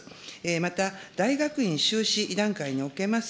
また大学院修士段階におけます